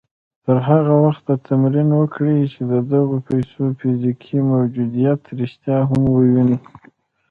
تر هغه وخته تمرين وکړئ چې د دغو پيسو فزيکي موجوديت رښتيا هم ووينئ.